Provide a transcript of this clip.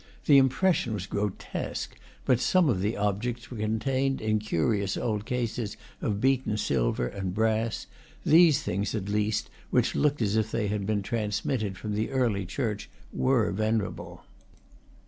The impression was grotesque, but sorne of the objects were contained in curious old cases of beaten silver and brass; these things, at least, which looked as if they had been transmitted from the early church, were venerable.